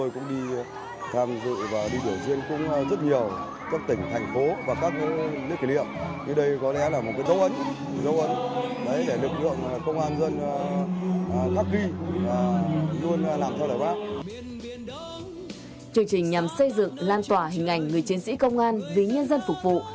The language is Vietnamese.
chương trình nhằm xây dựng lan tỏa hình ảnh người chiến sĩ công an vì nhân dân phục vụ